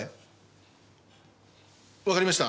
わかりました。